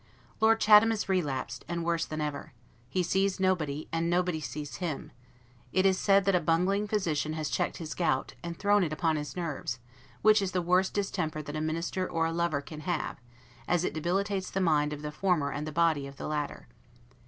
Lord Chatham is relapsed, and worse than ever: he sees nobody, and nobody sees him: it is said that a bungling physician has checked his gout, and thrown it upon his nerves; which is the worst distemper that a minister or a lover can have, as it debilitates the mind of the former and the body of the latter.